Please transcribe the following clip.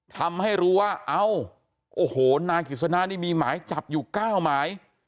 ทำให้รู้ว่าเอ้าโอ้โหนายกฤษณะนี่มีหมายจับอยู่๙หมาย